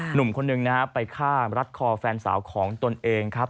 หนุ่มคนหนึ่งนะฮะไปฆ่ารัดคอแฟนสาวของตนเองครับ